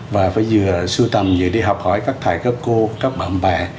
và bây giờ sưu tầm dưới đi học hỏi các thầy các cô các bạn bè